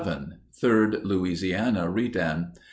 THIRD LOUISIANA REDAN.